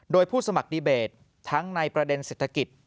โดยผู้สมัครดีเบตทั้งในประเด็นเศรษฐกิจ